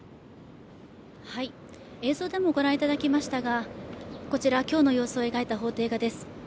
映像でもご覧いただきましたが、こちら、今日の様子を描いた法廷画です。